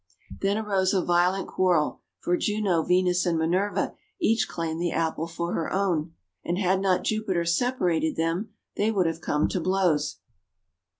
Then arose a violent quarrel, for Juno, Venus, and Minerva each claimed the Apple for her own. And had not Jupiter separated them, they would have come to blows.